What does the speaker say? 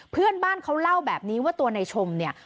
เพื่อนบ้านเขาเล่าแบบนี้ว่าตัวในชมเนี่ย